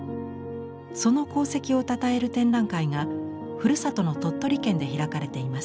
その功績をたたえる展覧会がふるさとの鳥取県で開かれています。